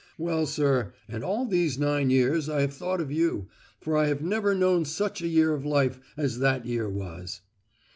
Well, sir, and all these nine years I have thought of you, for I have never known such a year of life as that year was."